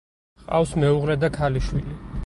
ჰყავს მეუღლე და ქალიშვილი.